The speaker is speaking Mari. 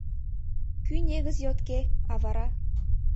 Кӱ негыз йотке, а вара